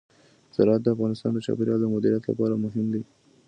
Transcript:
زراعت د افغانستان د چاپیریال د مدیریت لپاره مهم دي.